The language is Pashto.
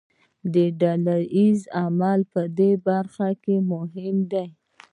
ډله ییز عمل په دې برخه کې مهم دی.